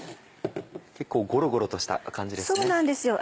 結構ゴロゴロとした感じですね。